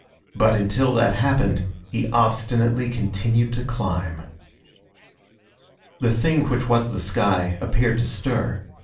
But until that happened he obstinately continued to climb. The thing which was the sky appeared to stir.